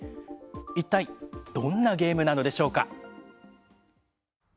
一体どんなゲームなのでしょうか。